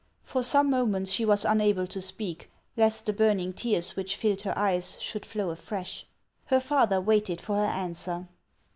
For some moments she was unable to speak, lest the burning tears which filled her eyes should flow afresh. Her father waited for her answer.